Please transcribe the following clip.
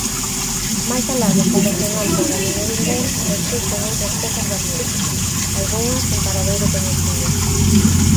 Máis alá do fundacional Pergamiño Vindel existen outras pezas valiosas, algunhas en paradoiro coñecido.